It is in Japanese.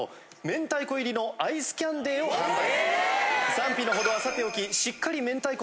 賛否のほどはさておき。